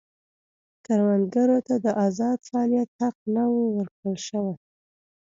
کروندګرو ته د ازاد فعالیت حق نه و ورکړل شوی.